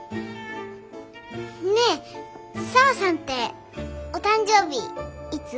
ねえ沙和さんってお誕生日いつ？